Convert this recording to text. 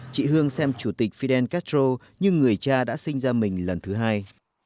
chị hương xem chủ tịch fidel castro như người cha đã sinh ra mình lần thứ hai